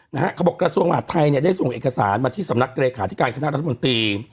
เขาบอกกระทรวงมหาดไทยเนี่ยได้ส่งเอกสารมาที่สำนักเลขาธิการคณะรัฐมนตรี